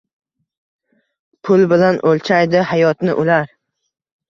Pul bilan o’lchaydi hayotni ular.